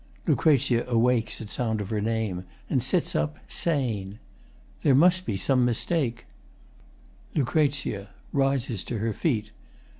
[LUC. awakes at sound of her name, and sits up sane.] There must be some mistake. LUC. [Rises to her feet.